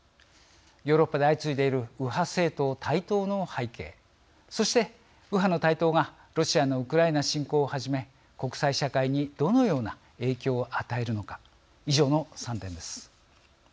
ヨーロッパで相次いでいる右派政党台頭の背景そして、右派の台頭がロシアのウクライナ侵攻をはじめ国際社会にどのような影響を与えるのか以上の３点です。